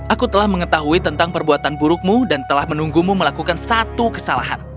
aku telah mengetahui tentang perbuatan burukmu dan telah menunggumu melakukan satu kesalahan